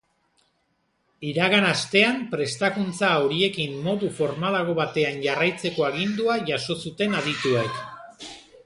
Iragan astean prestakuntza horiekin modu formalago batean jarraitzeko agindua jaso zuten adituek.